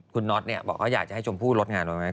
คุณน็อตบอกว่าอยากจะให้ชมพู่ลดงานลงไหม